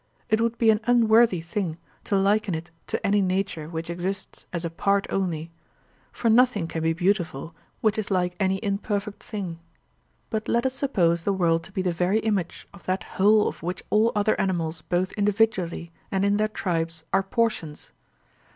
It would be an unworthy thing to liken it to any nature which exists as a part only; for nothing can be beautiful which is like any imperfect thing; but let us suppose the world to be the very image of that whole of which all other animals both individually and in their tribes are portions.